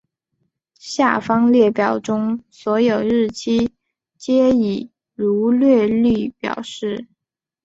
下方列表中所有日期皆以儒略历表示。